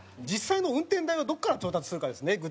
実際の運転台をどこから調達するかですね。